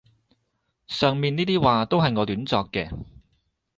上面呢啲話都係我亂作嘅